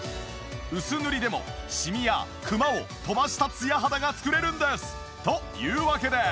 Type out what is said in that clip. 薄塗りでもシミやクマを飛ばしたツヤ肌が作れるんです！というわけで。